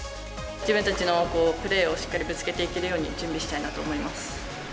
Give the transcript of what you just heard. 自分たちのプレーをしっかりぶつけていけるように準備したいなと思います。